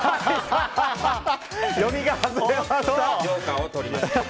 読みが外れました。